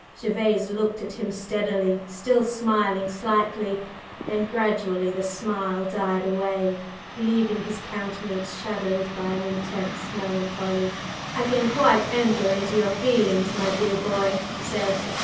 Gervase looked at him steadily, still smiling slightly; then gradually the smile died away, leaving his countenance shadowed by an intense melancholy. "I can quite enter into your feelings, my dear boy!" he said.